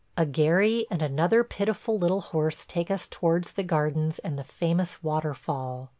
A gharry and another pitiful little horse take us towards the gardens and the famous waterfall.